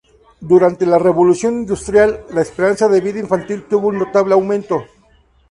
Durante la Revolución Industrial, la esperanza de vida infantil tuvo un notable aumento.